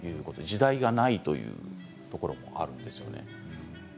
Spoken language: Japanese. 時代がないというところもあるんですよね。